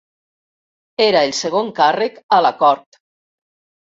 Era el segon càrrec a la cort.